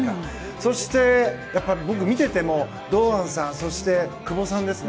そして、僕、見ていても堂安さんそして、久保さんですね。